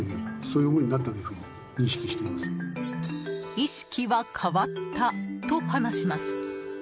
意識は変わったと話します。